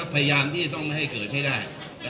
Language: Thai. พยายามที่จะต้องไม่ให้เกิดให้ได้